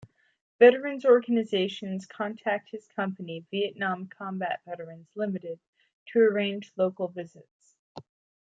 Veterans' organizations contact his company, Vietnam Combat Veterans, Limited, to arrange local visits.